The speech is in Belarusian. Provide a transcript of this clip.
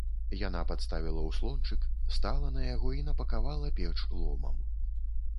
Яна падставіла ўслончык, стала на яго і напакавала печ ломам.